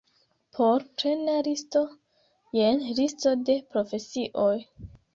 Por plena listo, jen Listo de profesioj.